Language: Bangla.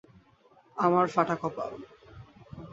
আমার ফাঁটা কপাল।